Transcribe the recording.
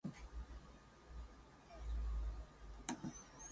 The couple have two sons, Unni and Kannan.